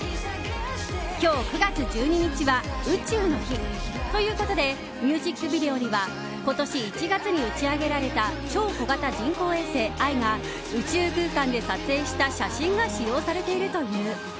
今日９月１２日は宇宙の日。ということでミュージックビデオには今年１月に打ち上げられた超小型人工衛星「ＥＹＥ」が宇宙空間で撮影した写真が使用されているという。